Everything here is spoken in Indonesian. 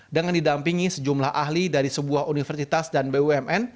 dengan didampingi sejumlah ahli dari sebuah universitas dan bumn